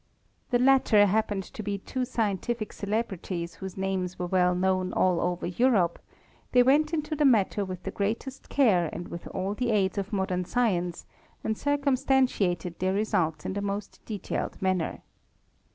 The latter happened to be two scientific celebrities whose names were known all over Kurope; they went into the matter with the greatest care and with all the aids of modern science, and cir — cumstantiated their results in the most detailed manner.